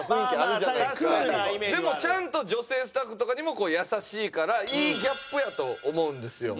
でもちゃんと女性スタッフとかにも優しいからいいギャップやと思うんですよ。